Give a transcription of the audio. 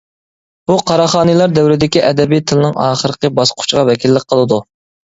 بۇ قاراخانىيلار دەۋرىدىكى ئەدەبىي تىلنىڭ ئاخىرقى باسقۇچىغا ۋەكىللىك قىلىدۇ.